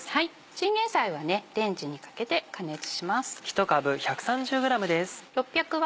チンゲンサイはレンジにかけて加熱します。